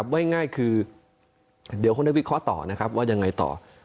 ไว้ง่ายคือเดี๋ยวคงได้วิเคราะห์ต่อนะครับว่ายังไงต่อ